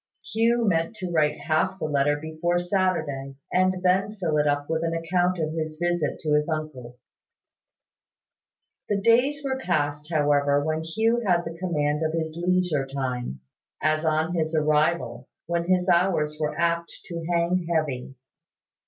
Hugh meant to write half the letter before Saturday, and then fill it up with an account of his visit to his uncle's. The days were passed, however, when Hugh had the command of his leisure time, as on his arrival, when his hours were apt to hang heavy.